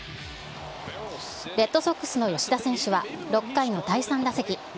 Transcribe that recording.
レッドソックスの吉田選手は、６回の第３打席。